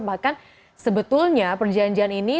bahkan sebetulnya perjanjian ini